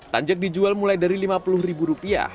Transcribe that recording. tanjak dijual mulai dari rp lima puluh